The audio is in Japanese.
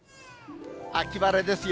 秋晴れですよ。